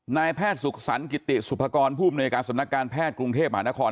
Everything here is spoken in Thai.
นายแพทย์ศุกษัณฑ์กิติสุพกรผู้บรรยาการสนับการแพทย์กรุงเทพฯหานคร